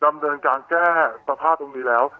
ดำเนินการแก้สภาพตรงนี้แล้ว